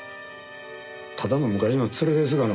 ただの昔の連れですがな。